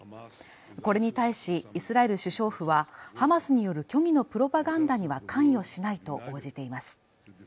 これに対しイスラエル首相府は、ハマスによる虚偽のプロパガンダには関与しないと報じています。